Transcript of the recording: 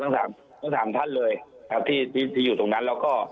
ทั้งสามท่านเลยครับที่ที่อยู่ตรงนั้นแล้วก็